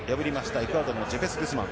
エクアドルのジェペス・グスマン。